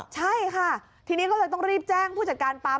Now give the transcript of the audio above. ใช่ค่ะทีนี้ก็เลยต้องรีบแจ้งผู้จัดการปั๊ม